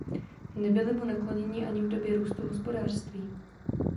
Nebyli mu nakloněni ani v době růstu hospodářství.